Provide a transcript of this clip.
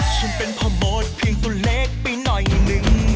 ฉันเป็นพ่อโบ๊ทเพียงตัวเล็กไปหน่อยหนึ่ง